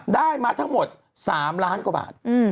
ได้มาทั้งหมด๓ล้านกว่าบาท